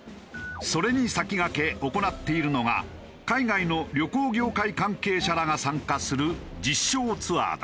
それに先駆け行っているのが海外の旅行業界関係者らが参加する実証ツアーだ。